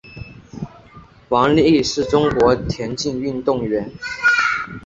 王丽是中国田径运动员。